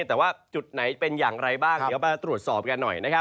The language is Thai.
แต่ว่าจุดไหนเป็นอย่างไรบ้างเดี๋ยวมาตรวจสอบกันหน่อยนะครับ